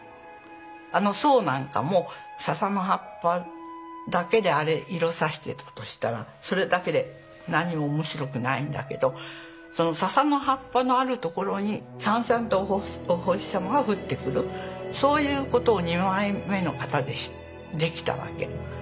あの「」なんかもささの葉っぱだけであれ色挿してたとしたらそれだけで何も面白くないんだけどそのささの葉っぱのあるところにさんさんとお星様が降ってくるそういうことを２枚目の型でできたわけ。